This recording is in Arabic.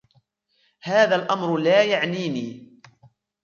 هذا الأمر لا يعنيني.